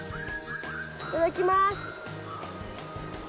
いただきまーす！